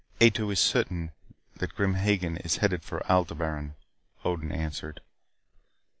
"Ato is certain that Grim Hagen is headed for Aldebaran," Odin answered.